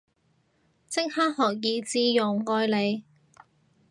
即刻學以致用，愛你